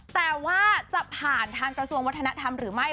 แต่ว่าจะผ่านทางกระทรวงวัฒนธรรมหรือไม่